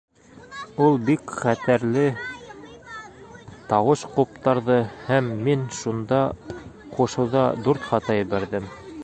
Ул бик хәтәрле тауыш ҡуптарҙы һәм мин шунда ҡушыуҙа дүрт хата ебәрҙем.